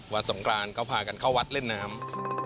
สงกรานก็พากันเข้าวัดเล่นน้ำ